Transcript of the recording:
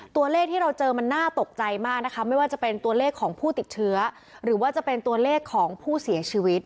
ตัวเลขที่เราเจอมันน่าตกใจมากนะคะไม่ว่าจะเป็นตัวเลขของผู้ติดเชื้อหรือว่าจะเป็นตัวเลขของผู้เสียชีวิต